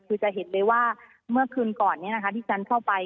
คือจะเห็นเลยว่าเมื่อคืนก่อนที่ฉันเข้าไป